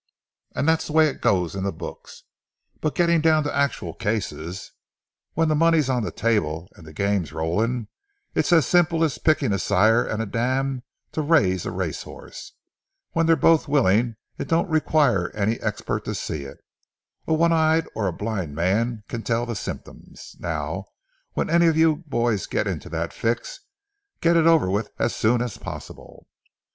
And that's the way it goes in the books. But getting down to actual cases—when the money's on the table and the game's rolling—it's as simple as picking a sire and a dam to raise a race horse. When they're both willing, it don't require any expert to see it—a one eyed or a blind man can tell the symptoms. Now, when any of you boys get into that fix, get it over with as soon as possible."